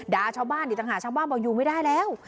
ชาวบ้านอีกต่างหากชาวบ้านบอกอยู่ไม่ได้แล้ว